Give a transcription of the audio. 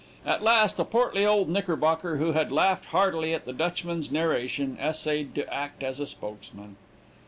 At last a portly old Knickerbocker, who had laughed heartily at the Dutchman's narration, essayed to act as spokesman.